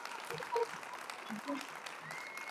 命他办理军机事务。